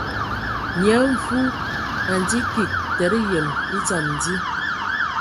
Nyia Mvu a ndzi kig tǝdǝ yǝm e dzam dí.